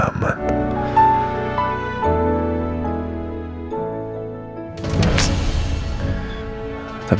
kalau andin cerita semuanya ke papa